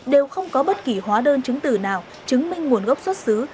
đều không có bất kỳ hóa đơn chứng tử nào chứng minh nguồn gốc xuất xứ